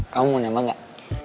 kamu mau nembak gak